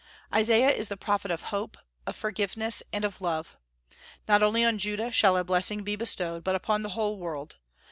Isaiah is the prophet of hope, of forgiveness, and of love. Not only on Judah shall a blessing be bestowed, but upon the whole world.